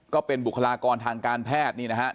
ก็เป็นบุคลากรทางการแพทย์นี่นะฮะ